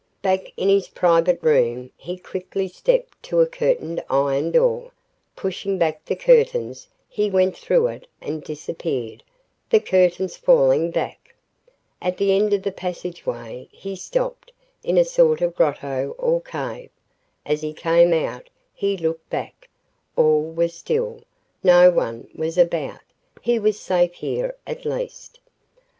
Back in his private room, he quickly stepped to a curtained iron door. Pushing back the curtains, he went through it and disappeared, the curtains falling back. At the end of the passageway, he stopped, in a sort of grotto or cave. As he came out, he looked back. All was still. No one was about. He was safe here, at least!